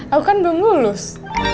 aku kan belum lulus